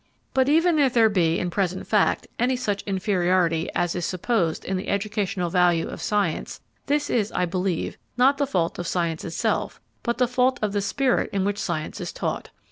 But even if there be, in present fact, any such inferiority as is supposed in the educational value of science, this is, I believe, not the fault of science itself, but the fault of the spirit in which science is taught.